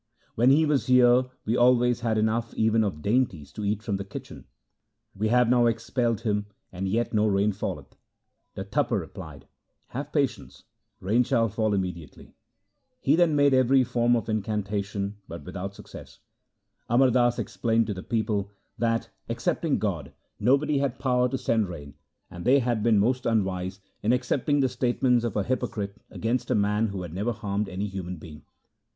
When he was here, we always had enough even of dainties to eat from his kitchen. We have now expelled him, and yet no rain falleth.' The Tapa replied, ' Have patience ; rain shall fall immediately.' He then made every form of incan tation, but without success. Amar Das explained to the people that, excepting God, nobody had power to send rain, and they had been most unwise in accepting the statements of a hypocrite against a man who had never harmed any human being.